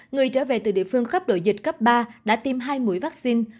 người trở về từ địa phương có cấp độ dịch cấp ba đã tiêm hai mũi vaccine